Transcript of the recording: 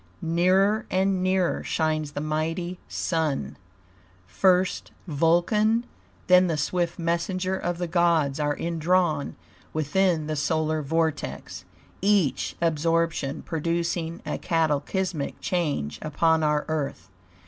Nearer and nearer shines the mighty Sun; first Vulcan, then the swift messenger of the gods are indrawn within the solar vortex, each absorption producing a cataclysmic change upon our Earth.